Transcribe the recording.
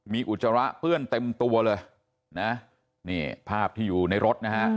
มีอุจจาระเปื้อนเต็มตัวเลยนะนี่ภาพที่อยู่ในรถนะฮะ